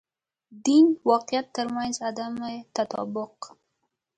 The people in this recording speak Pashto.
دین واقعیت تر منځ عدم تطابق.